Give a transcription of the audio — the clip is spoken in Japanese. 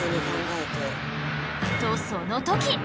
とその時！